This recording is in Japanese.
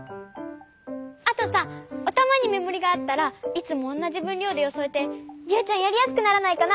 あとさおたまにめもりがあったらいつもおんなじぶんりょうでよそえてユウちゃんやりやすくならないかな？